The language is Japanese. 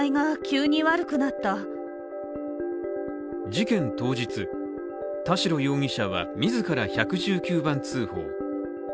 事件当日、田代容疑者は自ら１１９番通報。